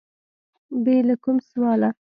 بې له کوم سواله